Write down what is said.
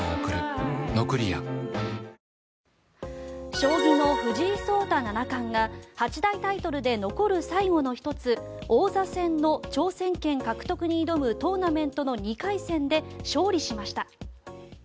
将棋の藤井聡太七冠が八大タイトルで残る最後の１つ王座戦の挑戦権獲得に挑むトーナメントの２回戦で勝利しました。